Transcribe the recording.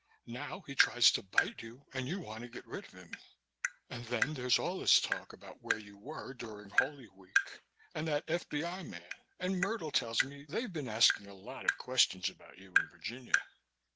Now he tries to bite you and you want to get rid of him. And then there's all this talk about where you were during Holy Week and that F.B.I. man and Myrtle tells me they've been asking a lot of questions about you and Virginia.